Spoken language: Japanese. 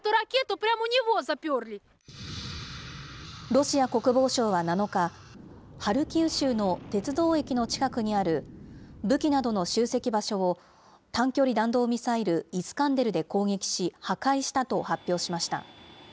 ロシア国防省は７日、ハルキウ州の鉄道駅の近くにある武器などの集積場所を短距離弾道ミサイル、イスカンデルで攻撃し、破壊したと発表しました。